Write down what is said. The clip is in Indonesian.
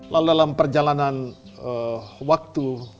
lalu dalam perjalanan waktu